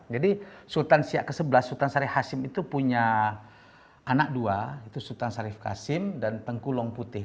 jadi sultan siap ke sebelah sultan syarif hasim itu punya anak dua itu sultan syarif hasim dan tengku long putih